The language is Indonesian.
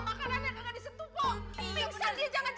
makanannya gak disitu pok